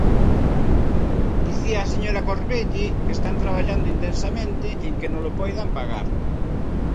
Dicía a señora Corvelle que están traballando intensamente en que nolo poidan pagar.